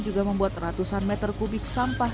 juga membuat ratusan meter kubik sampah